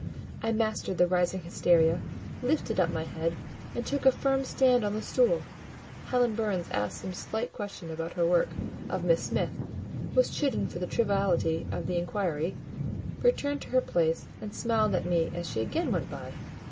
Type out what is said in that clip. I mastered the rising hysteria, lifted up my head, and took a firm stand on the stool. Helen Burns asked some slight question about her work of Miss Smith, was chidden for the triviality of the inquiry, returned to her place, and smiled at me as she again went by.